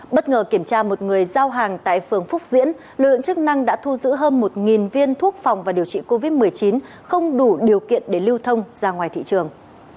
bất ngờ kiểm tra một người giao hàng tại phường phúc diễn lực lượng chức năng đã thu giữ hơn một viên thuốc phòng và điều trị covid một mươi chín không đủ điều kiện để lưu thông ra ngoài thị trường